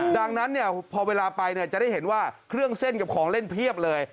ดังนั้นพอเวลาไปจะได้เห็นว่าเครื่องเส้นกับของเล่นเพียบเลย